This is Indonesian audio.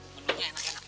menu nya enak enak